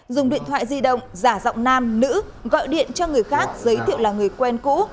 dùng điện thoại di động giả giọng nam nữ gọi điện cho người khác giới thiệu là người quen cũ